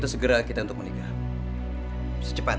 bagus kalau gitu segera kita untuk menikah secepatnya